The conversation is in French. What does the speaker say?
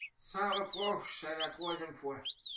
Sans reproches, c’est la troisième fois.